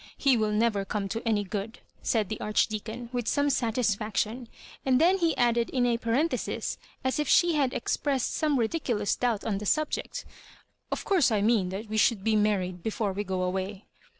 He will never come to any good," said the Archdeacon, with some satis Siction; and then he added in a parenthesis, as if she had expressed some ridiculous doubt on the subject, " Of course I mean that we should be married before we go away."